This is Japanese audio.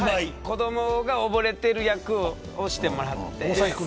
子どもに溺れてる役をしてもらって。